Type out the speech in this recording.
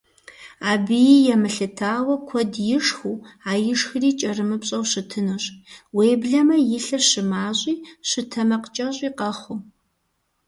Абыи емылъытауэ, куэд ишхыу, а ишхри кӀэрымыпщӀэу щытынущ, уеблэмэ и лъыр щымащӀи щытэмакъкӀэщӀи къэхъуу.